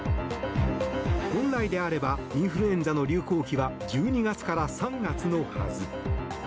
本来であればインフルエンザの流行期は１２月から３月のはず。